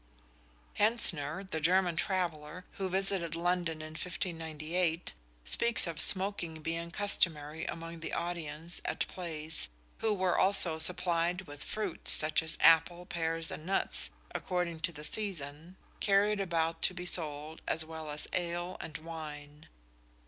Hentzner, the German traveller, who visited London in 1598, speaks of smoking being customary among the audience at plays, who were also supplied with "fruits, such as apples, pears and nuts, according to the season, carried about to be sold, as well as ale and wine."